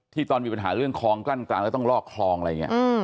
ตอนมีปัญหาเรื่องคลองกลั้นกลางแล้วต้องลอกคลองอะไรอย่างนี้